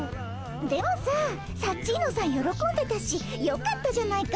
でもさサッチーノさん喜んでたしよかったじゃないか。